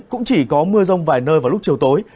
cũng chỉ có mưa rông vài nơi vào lúc chiều tối